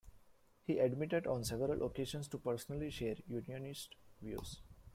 He admitted on several occasions to personally share unionist views.